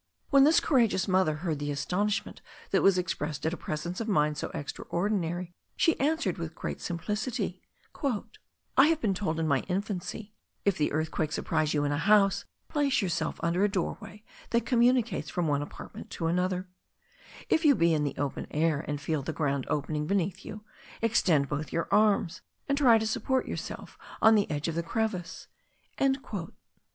When this courageous woman heard the astonishment that was expressed at a presence of mind so extraordinary, she answered, with great simplicity, "I had been told in my infancy: if the earthquake surprise you in a house, place yourself under a doorway that communicates from one apartment to another; if you be in the open air and feel the ground opening beneath you, extend both your arms, and try to support yourself on the edge of the crevice."